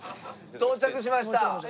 到着しました。